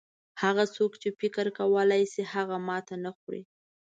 هغه څوک چې فکر کولای شي هغه ماته نه خوري.